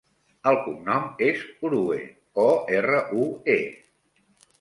El cognom és Orue: o, erra, u, e.